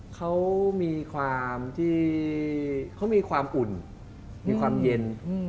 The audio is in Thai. เขามีความอุ่นความเย็น